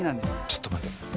ちょっと待て。